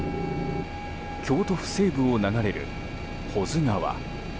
京都府西部を流れる保津川。